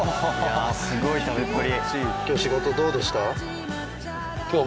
すごい食べっぷり！